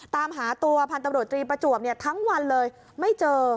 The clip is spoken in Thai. ตามหาตัวพันธุ์ตำรวจตรีประจวบทั้งวันเลยไม่เจอ